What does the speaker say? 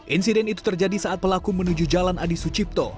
insiden itu terjadi saat pelaku menuju jalan adi sucipto